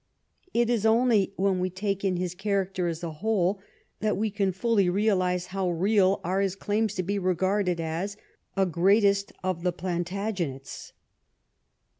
It is only when we take in his character as a whole, that we can fully realise how real are his claims to be regarded as a " greatest of the Plantagenets."